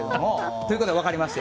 そういうことが分かりまして。